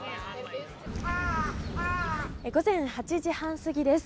午前８時半過ぎです。